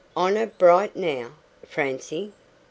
Honour bright now, Francie."